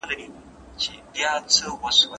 شیندلي دي تخمونه